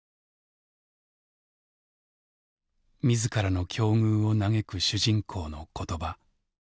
自らの境遇を嘆く主人公の言葉。